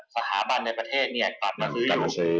สถาบันในประเทศกลับมาซื้ออยู่